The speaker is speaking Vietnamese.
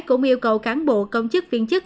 cũng yêu cầu cán bộ công chức viên chức